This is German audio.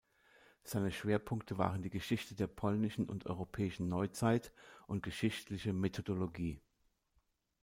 Seine Schwerpunkte waren die Geschichte der polnischen und europäischen Neuzeit und geschichtliche Methodologie.